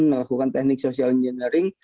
melakukan teknik social engineering